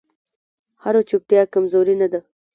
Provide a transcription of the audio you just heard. هره چوپتیا کمزوري نه ده